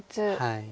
はい。